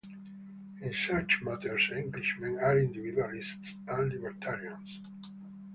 In such matters Englishmen are individualists and libertarians.